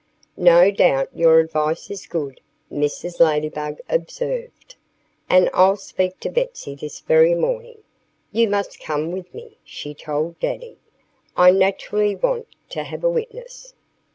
"No doubt your advice is good," Mrs. Ladybug observed. "And I'll speak to Betsy this very morning.... You must come with me," she told Daddy. "I naturally want to have a witness."